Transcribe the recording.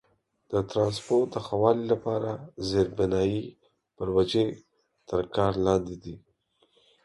د ترانسپورت د ښه والي لپاره زیربنایي پروژې تر کار لاندې دي.